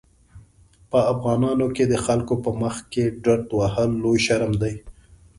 په افغانانو کې د خلکو په مخکې ډرت وهل لوی شرم دی.